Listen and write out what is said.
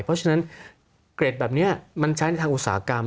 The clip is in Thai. เพราะฉะนั้นเกรดแบบนี้มันใช้ในทางอุตสาหกรรม